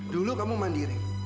dulu kamu mandiri